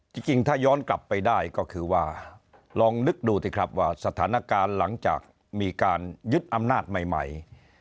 จริงถ้าย้อนกลับไปได้ก็คือว่าลองนึกดูสิครับว่าสถานการณ์หลังจากมีการยึดอำนาจใหม่